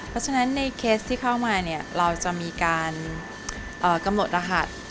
เพราะฉะนั้นในเคสที่เข้ามาเนี่ยเราจะมีการกำหนดรหัส